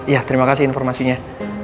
ya terima kasih informasinya